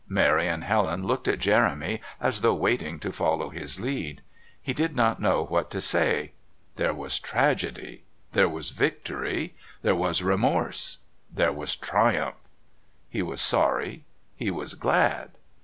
Mary and Helen looked at Jeremy as though waiting to follow his lead. He did not know what to say. There was Tragedy, there was Victory, there was Remorse, there was Triumph. He was sorry, he was glad.